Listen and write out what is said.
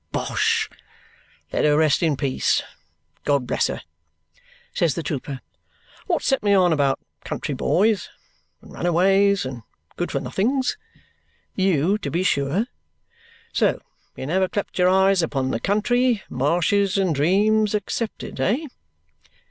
Bosh! Let her rest in peace, God bless her!" says the trooper. "What set me on about country boys, and runaways, and good for nothings? You, to be sure! So you never clapped your eyes upon the country marshes and dreams excepted. Eh?"